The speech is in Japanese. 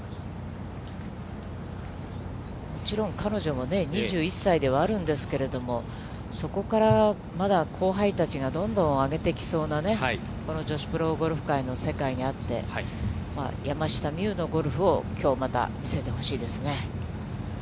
もちろん彼女もね、２１歳ではあるんですけれども、そこからまだ後輩たちがどんどん上げてきそうなね、この女子プロゴルフ界の世界にあって、山下美夢有のゴルフを、きょうまた、見せてほしいですね。